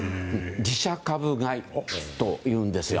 自社株買いというんですよ。